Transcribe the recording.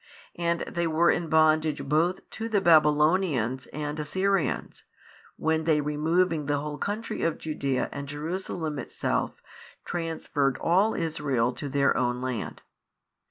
And they were in bondage both to the Babylonians and Assyrians, when they removing the whole country of Judaea and Jerusalem itself transferred all Israel to their own land.